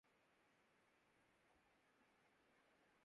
کوئی چارہ ساز ہوتا کوئی غم گسار ہوتا